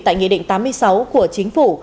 tại nghị định tám mươi sáu của chính phủ